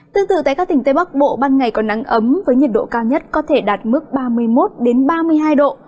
tương tự tại các tỉnh tây bắc bộ ban ngày còn nắng ấm với nhiệt độ cao nhất có thể đạt mức ba mươi một ba mươi hai độ